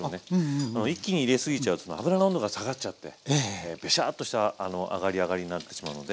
一気に入れ過ぎちゃうと油の温度が下がっちゃってベシャーっとした揚がり上がりになってしまうので。